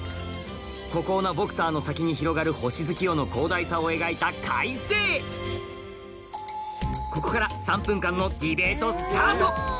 孤高なボクサーの先に広がる星月夜の広大さを描いた開成ここから３分間のディベートスタート